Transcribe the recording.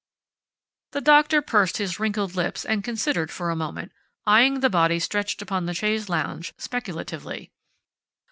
The little doctor pursed his wrinkled lips and considered for a moment, eyeing the body stretched upon the chaise longue speculatively.